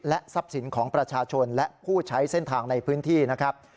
ทรัพย์สินของประชาชนและผู้ใช้เส้นทางในพื้นที่นะครับ